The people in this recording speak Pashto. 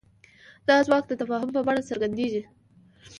دا ځواک د تفاهم په بڼه څرګندېږي.